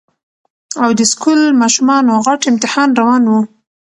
او د سکول ماشومانو غټ امتحان روان وو